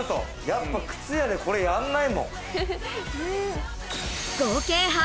やっぱ靴屋でこれやんないもん。